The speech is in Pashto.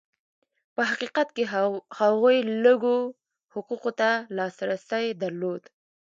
په حقیقت کې هغوی لږو حقوقو ته لاسرسی درلود.